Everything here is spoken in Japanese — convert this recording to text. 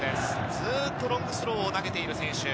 ずっとロングスローを投げている選手。